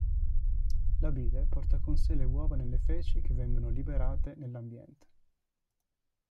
La bile porta con sé le uova nelle feci che vengono liberate nell'ambiente.